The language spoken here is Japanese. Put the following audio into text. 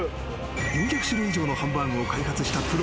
４００種類以上のハンバーグを開発したプロ。